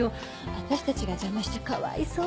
私たちが邪魔しちゃかわいそう。